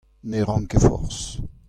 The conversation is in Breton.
Ne ran ket forzh.